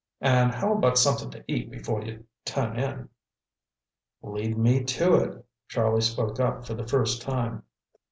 And how about something to eat before you turn in?" "Lead me to it," Charlie spoke up for the first time.